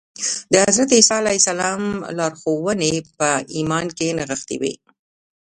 د حضرت عیسی علیه السلام لارښوونې په ایمان کې نغښتې وې